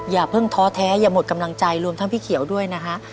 อย่าเพิ่งท้อแท้อย่าหมดกำลังใจรวมทั้งพี่เขียวด้วยนะฮะ